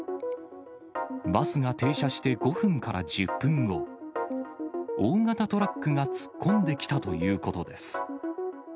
バスが停車して５分から１０分後、大型トラックが突っ込んできたということです。